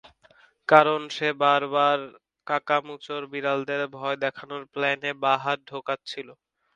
কারণ সে বারবার কাকামুচোর বিড়ালদের ভয় দেখানোর প্ল্যানে বাহাত ঢোকাচ্ছিল।